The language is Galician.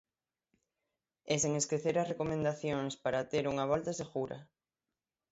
E sen esquecer as recomendacións para ter unha volta segura.